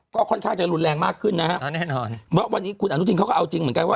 ก็ค่อนข้างจะรุนแรงมากขึ้นนะฮะแน่นอนว่าวันนี้คุณอนุทินเขาก็เอาจริงเหมือนกันว่า